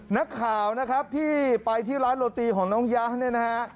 นักข่าวนะครับที่ไปที่ร้านโรตีของน้องย้า